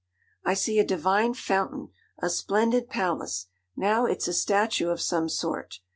'I see a divine fountain! A splendid palace! Now it's a statue of some sort!